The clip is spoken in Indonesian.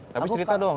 tapi cerita doang